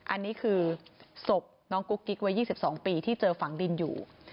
อันนี้คือศพน้องกุ๊กกิ๊กวัย๒๒ปีที่เจอฝังดินอยู่